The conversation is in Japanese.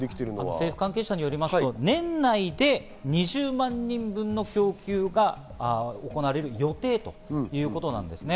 政府関係者によりますと年内で２０万人分の供給が行われる予定ということなんですね。